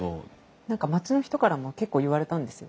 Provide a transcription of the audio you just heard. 何か町の人からも結構言われたんですよ。